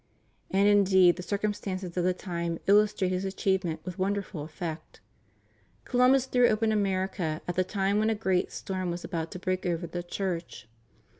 And indeed the circumstances of the time illustrate his achievement mth wonderful effect. Columbus threw open America at the time when a great storm was about to break over the Church.